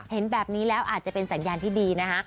เห็นแบบนี้แล้วอาจจะเป็นสัญญาณที่ดีนะคะ